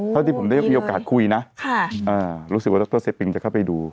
พอที่ผมได้มีโอกาสคุยนะค่ะอ่ารู้สึกว่าร็อคเตอร์เซปปิงจะเข้าไปดู